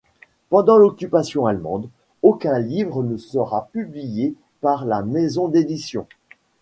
Pendant l'Occupation allemande, aucun livre ne sera publié par la maison d'édition.